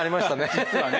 実はね。